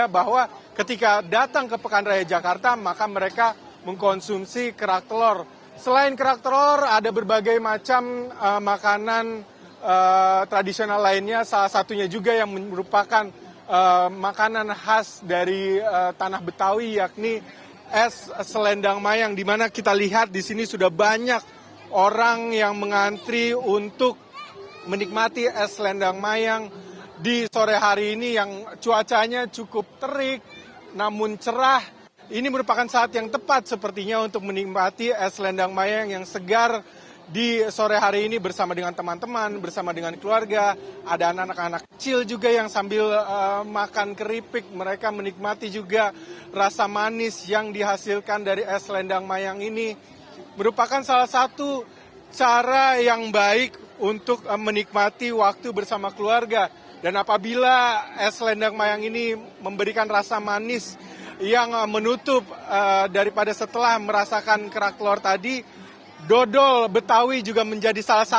bahwa pekan raya jakarta merupakan saatnya mereka berkumpul bersama keluarga